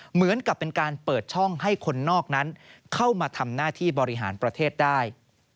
เหมือนกับเป็นการเปิดช่องให้คนนอกนั้นเข้ามาทำหน้าที่บริหารประเทศได้